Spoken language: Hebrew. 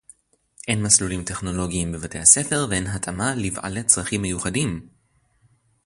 אין מסלולים טכנולוגיים בבתי-הספר ואין התאמה לבעלי צרכים מיוחדים